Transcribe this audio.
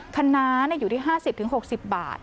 คณะอยู่ที่๕๐๖๐บาท